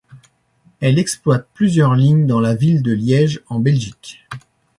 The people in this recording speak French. Elle exploitent plusieurs lignes dans la ville de Liège en Belgique.